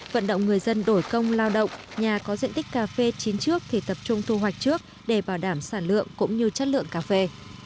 vận động người dân đổi công lao động nhà có diện tích cà phê chín trước thì tập trung thu hoạch trước để bảo đảm sản lượng cũng như chất lượng cà phê